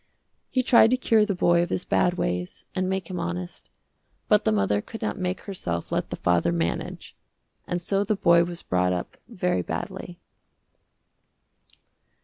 He tried to cure the boy of his bad ways, and make him honest, but the mother could not make herself let the father manage, and so the boy was brought up very badly.